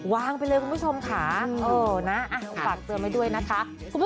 วางไปเลยคุณผู้ชมค่ะฝากเตือนไว้ด้วยนะคะ